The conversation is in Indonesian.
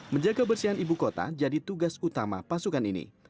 menjaga bersihan ibu kota jadi tugas utama pasukan ini